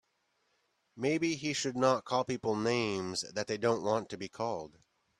Maybe he should not call people names that they don't want to be called.